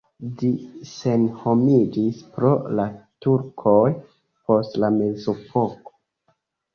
Ĝi senhomiĝis pro la turkoj post la mezepoko.